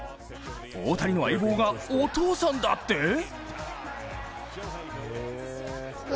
大谷の相棒がお父さんだって！？